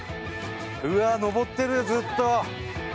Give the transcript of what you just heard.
うわー登ってる、ずっと。